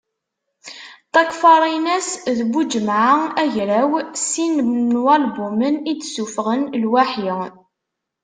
Takfarinas d Buǧemɛa Agraw sin n walbumen i d-ssufɣen lwaḥi.